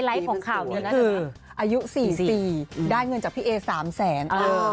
ของข่าวนี้นะคืออายุ๔๔ได้เงินจากพี่เอ๓แสน